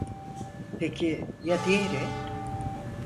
Peki ya diğeri?